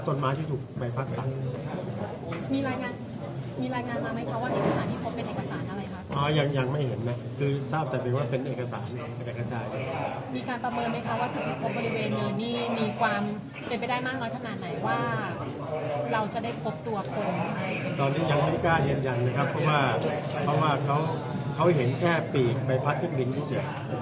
ตอนนี้ยังไม่กล้าเย็นเพราะว่าเขาเห็นแค่ปีกใบพัดขึ้นบินที่เสือก